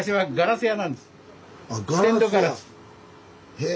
へえ。